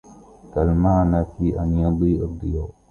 كالمُعَنَّى في أن يُضيء الضياءَ